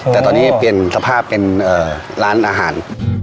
แต่ตอนนี้เปลี่ยนสภาพเป็นร้านอาหาร